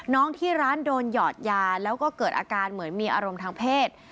ที่ร้านโดนหยอดยาแล้วก็เกิดอาการเหมือนมีอารมณ์ทางเพศ